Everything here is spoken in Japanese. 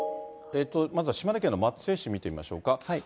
まずは島根県の松江市見てみましょうか。